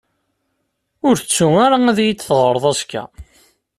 Ur tettu ara ad yi-d-taɣreḍ azekka.